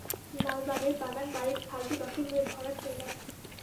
লালবাগের বাগানবাড়ির খালটি দখল হয়ে ভরাট হয়ে গেছে।